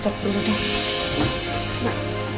saya mau disini sambil skip ya